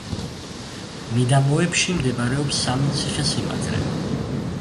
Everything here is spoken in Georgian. მიდამოებში მდებარეობს სამი ციხე-სიმაგრე.